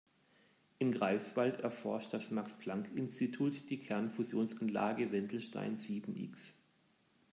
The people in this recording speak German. In Greifswald erforscht das Max-Planck-Institut die Kernfusionsanlage Wendelstein sieben-X.